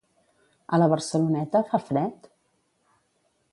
A la Barceloneta, fa fred?